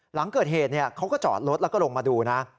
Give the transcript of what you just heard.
หลังเกิดเหตุเขาก็จอดรถแล้วก็ลงมาดูนะ